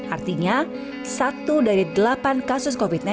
artinya satu dari delapan kasus covid sembilan belas